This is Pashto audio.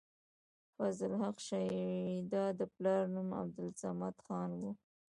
فضل حق شېدا د پلار نوم عبدالصمد خان وۀ